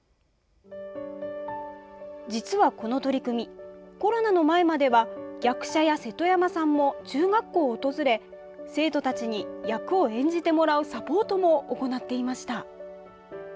実は、この取り組みコロナの前までは役者や瀬戸山さんも中学校を訪れ生徒たちに役を演じてもらうサポートも行っていました。